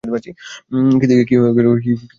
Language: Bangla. কী থেকে কী হয়ে গেল কিছুই মাথায় ঢুকছে না।